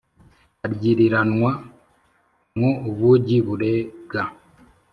aryiriranwa mwo ubugi, burega